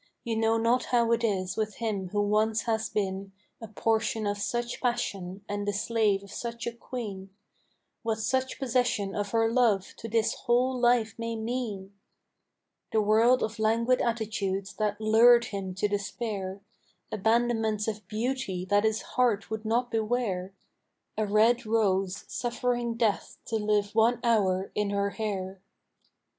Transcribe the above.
you know not how it is with him who once has been A portion of such passion and the slave of such a queen; What such possession of her love to his whole life may mean! The world of languid attitudes that lured him to despair; Abandonments of beauty that his heart would not beware A red rose suffering death to live one hour in her hair.